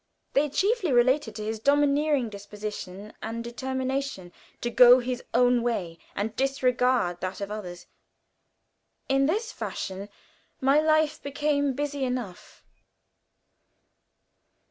They chiefly related to his domineering disposition and determination to go his own way and disregard that of others. In this fashion my life became busy enough.